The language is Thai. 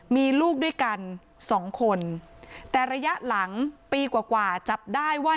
มีลูกด้วยกันสองคนแต่ระยะหลังปีกว่ากว่าจับได้ว่า